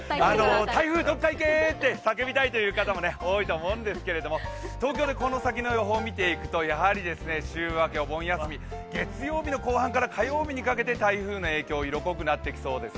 台風どっかいけ！って叫びたいという方も多いと思うんですけれども、東京でこの先の予報を見ていくと、やはり週明け、お盆休み、月曜日の後半から火曜日にかけて台風が色濃くなってきそうです。